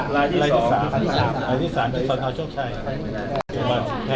รายที่สองท้าชนชาย